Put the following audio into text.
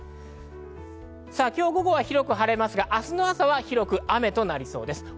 今日午後は広く晴れますが、明日の朝は広く雨となりそうです。